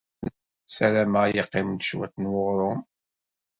Ssarameɣ yeqqim-d cwiṭ n weɣrum.